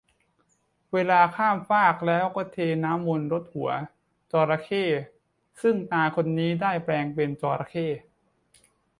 เวลาข้ามฟากแล้วก็เทน้ำมนต์รดหัวจระเข้ ซึ่งตาคนนี้ได้แปลงเป็นจระเข้